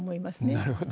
なるほど。